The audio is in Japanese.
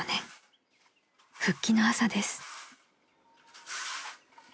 ［復帰の朝です］